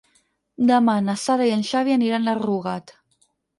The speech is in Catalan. Demà na Sara i en Xavi aniran a Rugat.